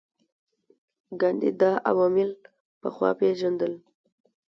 ګاندي دا عوامل پخوا پېژندل.